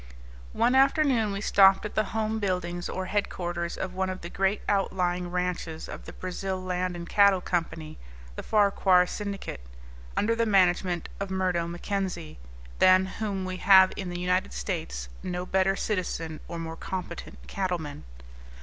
One afternoon we stopped at the home buildings or headquarters of one of the great outlying ranches of the Brazil Land and Cattle Company, the Farquahar syndicate, under the management of Murdo Mackenzie than whom we have in the United States no better citizen or more competent cattleman.